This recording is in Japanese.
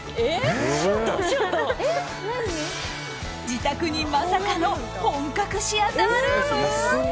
自宅にまさかの本格シアタールーム？